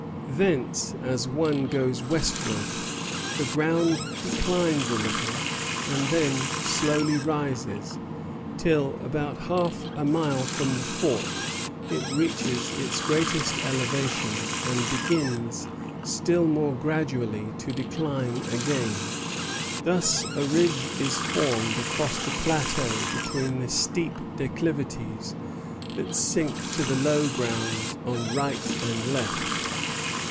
Thence, as one goes westward, the ground declines a little, and then slowly rises, till, about half a mile from the fort, it reaches its greatest elevation, and begins still more gradually to decline again. Thus a ridge is formed across the plateau between the steep declivities that sink to the low grounds on right and left.